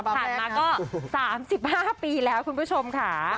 ผ่านมาก็๓๕ปีแล้วคุณผู้ชมค่ะ